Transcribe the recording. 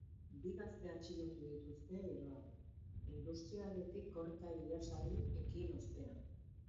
Bi gazte atxilotu dituzte geroago, industrialdetik korrika ihesari ekin ostean.